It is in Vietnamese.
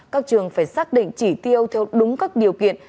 các trường phải xác định chỉ tiêu theo đúng các điều kiện